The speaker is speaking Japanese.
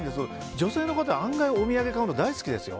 女性の方は、案外お土産を買うの大好きですよ。